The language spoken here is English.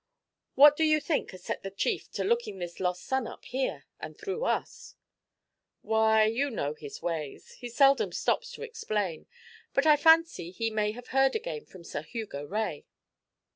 What do you think has set the chief to looking this lost son up here, and through us?' 'Why, you know his ways he seldom stops to explain; but I fancy he may have heard again from Sir Hugo Rae.'